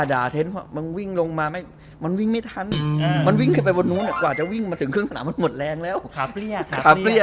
แต่เมื่อกีต่อมีสวัสดีอ่ะ